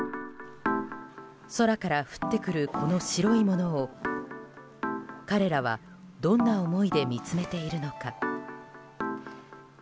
空から降ってくるこの白いものを彼らは、どんな思いで見つめているのか。